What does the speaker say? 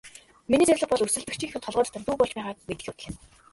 Миний зорилго бол өрсөлдөгчийнхөө толгой дотор юу болж байгааг мэдэх явдал юм.